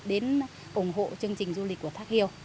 đến ủng hộ chương trình